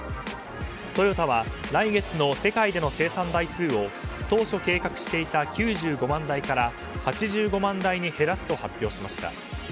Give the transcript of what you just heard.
トヨタは来月の世界での生産台数を当初計画していた９５万台から８５万台に減らすと発表しました。